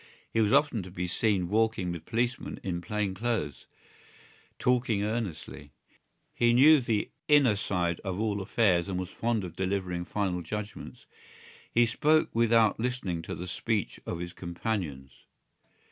He was often to be seen walking with policemen in plain clothes, talking earnestly. He knew the inner side of all affairs and was fond of delivering final judgments. He spoke without listening to the speech of his companions.